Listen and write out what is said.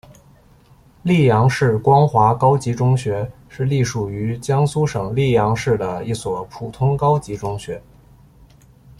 溧阳市光华高级中学是隶属于江苏省溧阳市的一所普通高级中学。